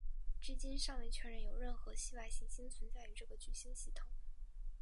至今尚未确认有任何系外行星存在于这个聚星系统。